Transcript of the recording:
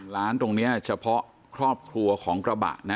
ร้านตรงนี้เฉพาะครอบครัวของกระบะนะ